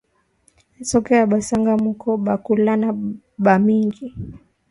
Nsoko ya basanga muko ba kuluna ba mingi